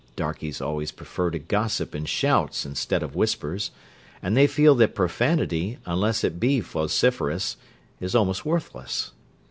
Darkies always prefer to gossip in shouts instead of whispers; and they feel that profanity, unless it be vociferous, is almost worthless.